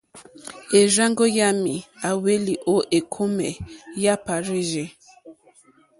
E rzàŋgo yami a hweli o ekome ya Parirzi.